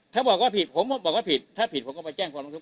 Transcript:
ถ้าบอกว่าผิดผมบอกว่าผิดถ้าผิดผมก็ไปแจ้งความร้องทุกข